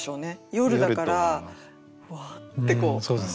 夜だからふわってこう。